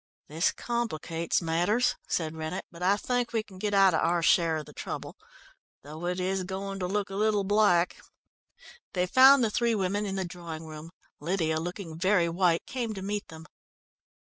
"This complicates matters," said Rennett, "but I think we can get out of our share of the trouble, though it is going to look a little black." They found the three women in the drawing room. Lydia, looking very white, came to meet them.